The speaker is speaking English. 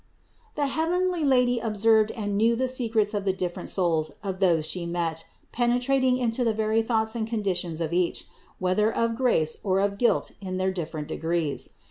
460. The heavenly Lady observed and knew the secrets of the different souls of those She met, penetrating into the very thoughts and conditions of each, whether of grace or of guilt in their different degrees.